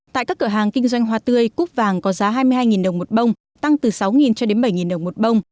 tại các cửa hàng kinh doanh hoa tươi cúp vàng có giá hai mươi hai đồng một bông tăng từ sáu cho đến bảy đồng một bông